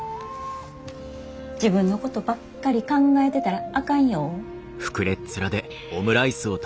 自分のことばっかり考えてたらあかんよ。